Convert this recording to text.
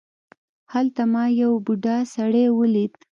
هلته ما یو بوډا سړی ولید.